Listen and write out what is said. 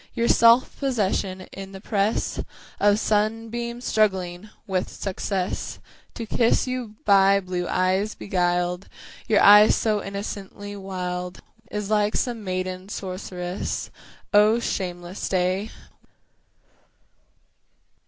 Your self 'possession in the press Of sunbeams struggling with success To kiss you by blue eyes beguiled Your eyes so innocently wild! Is like some maiden sorceress, O shameless day!